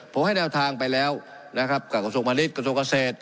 ผมให้แนวทางไปแล้วกับกระทรวงพลังฤทธิ์กระทรวงเกษตร